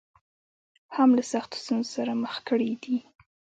هم له سختو ستونزو سره مخ کړې دي.